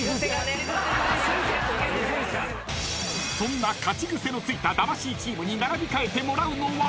［そんな勝ち癖のついた魂チームに並び替えてもらうのは］